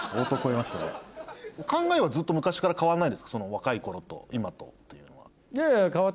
若い頃と今とっていうのは。